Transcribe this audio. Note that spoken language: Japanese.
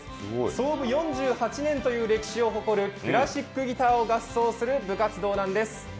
創部４８年を誇るクラシックギターを合奏する部活動なんです。